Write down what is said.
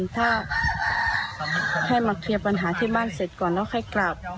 ถ้าให้มาเคลียร์ปัญหาที่บ้านเสร็จก่อนแล้วค่อยกลับ